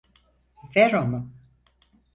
Ver onu!